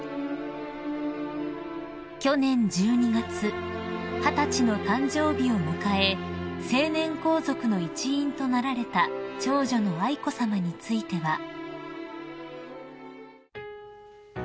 ［去年１２月二十歳の誕生日を迎え成年皇族の一員となられた長女の愛子さまについては］